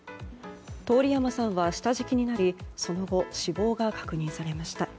通山さんは下敷きになりその後、死亡が確認されました。